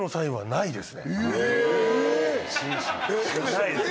ないです。